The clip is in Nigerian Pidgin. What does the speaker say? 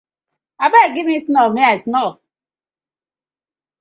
Abeg giv me snuff mek I snuff.